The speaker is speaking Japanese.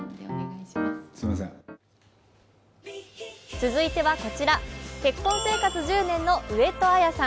続いてはこちら、結婚生活１０年の上戸彩さん。